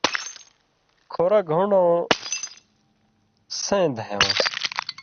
کھُرَہ گھُنڈٶں سَیں دَھیٶں۔